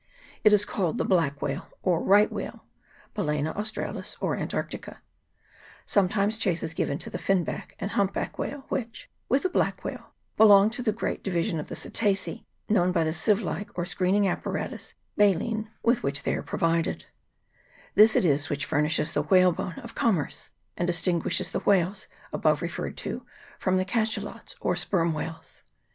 It is called the " black whale, or right whale" (Ba leena Australis, or Antarctica). Sometimes chase is given to the finback and humpback whale, which, with the black whale, belong to the great division of the cetacea known by the sieve like or screening apparatus (baleen) with which they are provided ; this it is which furnishes the whalebone of com merce, and distinguishes the whales above referred to from the cachelots, or sperm whales.